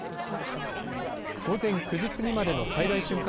午前９時過ぎまでの最大瞬間